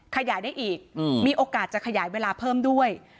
ขยายได้อีกมีโอกาสจะขยายเวลาเพิ่มด้วย